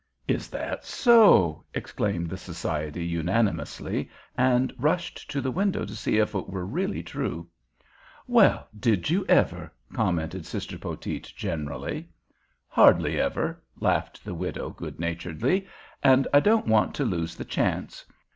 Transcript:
"Is that so?" exclaimed the society unanimously, and rushed to the window to see if it were really true. "Well, did you ever?" commented Sister Poteet, generally. "Hardly ever," laughed the widow, good naturedly, "and I don't want to lose the chance.